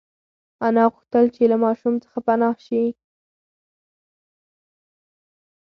انا غوښتل چې له ماشوم څخه پنا شي.